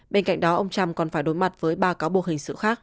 bên cạnh đó ông trump còn phải đối mặt với ba cáo buộc hình sự khác